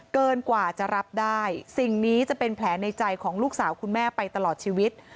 เกินกว่าจะรับได้สิ่งนี้จะเป็นแผลในใจของลูกสาวคุณแม่ไปตลอดชีวิต